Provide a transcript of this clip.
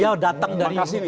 ya datang dari harus banget